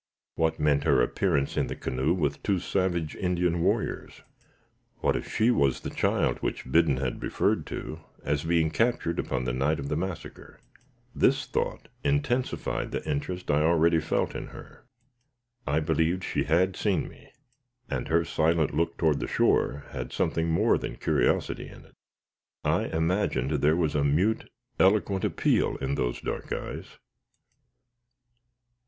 What meant her appearance in the canoe with two savage Indian warriors? What if she was the child which Biddon had referred to, as being captured upon the night of the massacre? This thought intensified the interest I already felt in her. I believed she had seen me; and her silent look toward the shore had something more than curiosity in it. I imagined there was a mute, eloquent appeal in those dark eyes.